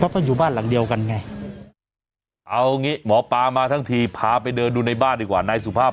ทำไมผีไม่ได้ต้องมากวนพี่ครับ